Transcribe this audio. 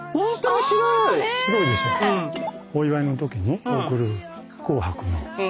お祝いのときに贈る紅白の。